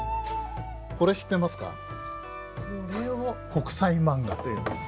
「北斎漫画」という。